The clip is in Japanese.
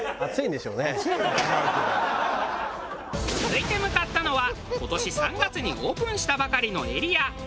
続いて向かったのは今年３月にオープンしたばかりのエリア。